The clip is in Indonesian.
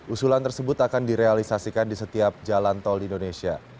usulan tersebut akan direalisasikan di setiap jalan tol di indonesia